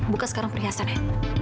buka sekarang perhiasannya